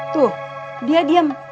tuh dia diem